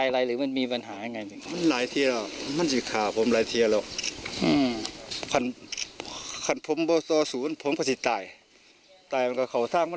ลูกชายมักจะทำร้ายตัวเองกับลูกสะพ้ายรวมถึงหลาน